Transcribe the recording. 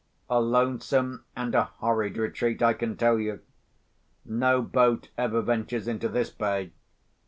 A lonesome and a horrid retreat, I can tell you! No boat ever ventures into this bay.